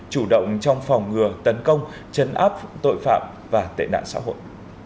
chủ động trong phòng ngừa tấn công chấn áp tội phạm và tệ nạn xã hội